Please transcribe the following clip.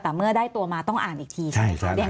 แต่เมื่อได้ตัวมาต้องอ่านอีกทีใช่ไหมครับ